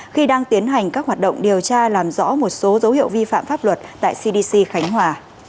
khi đang tiến hành các hoạt động điều tra làm rõ một số dấu hiệu vi phạm pháp luật tại cdc khánh hòa